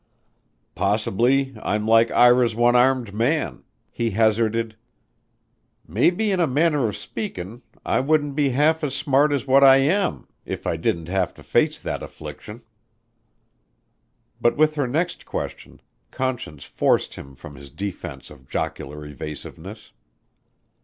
"Possibly I'm like Ira's one armed man," he hazarded. "Maybe 'in a manner of speakin' I wouldn't be half as smart as what I am' if I didn't have to face that affliction." But with her next question Conscience forced him from his defense of jocular evasiveness.